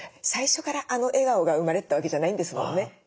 最初からあの笑顔が生まれてたわけじゃないんですもんね。